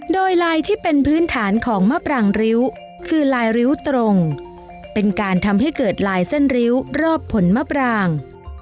โดยลายที่เป็นพื้นฐานของมะปรางริ้วคือลายริ้วตรงเป็นการทำให้เกิดลายเส้นริ้วรอบผลมะปราง